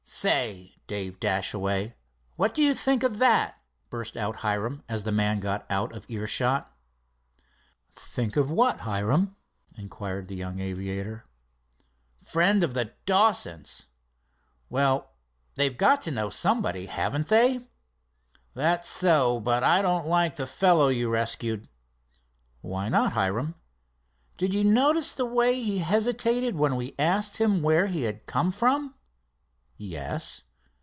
"Say, Dave Dashaway, now what do you think of that!" burst out Hiram, as the man got out of earshot. "Think of what, Hiram?" inquired the young aviator. "Friend of the Dawsons!" "Well, they've got to know somebody, haven't they?" "That's so, but I don't like the fellow you rescued." "Why not, Hiram?" "Did you notice the way he hesitated when we asked him where he had come from?" "Yes."